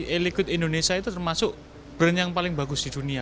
eliquid indonesia itu termasuk brand yang paling bagus di dunia